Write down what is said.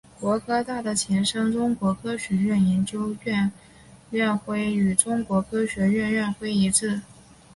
国科大的前身中国科学院研究生院院徽与中国科学院院徽一致。